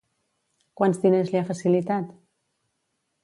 Quants diners li ha facilitat?